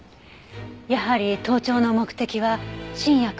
やはり盗聴の目的は新薬の機密情報。